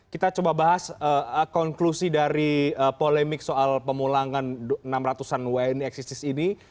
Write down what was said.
kita coba bahas konklusi dari polemik soal pemulangan enam ratusan ynxis ini